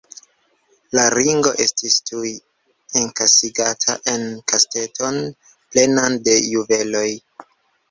La ringo estis tuj enkasigata en kesteton plenan de juveloj.